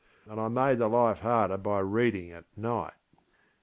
And I made the life harder by reading at night.